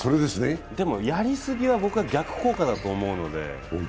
でも、やりすぎは僕は逆効果だと思うので。